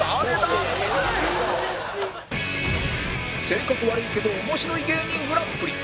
性格悪いけど面白い芸人グランプリ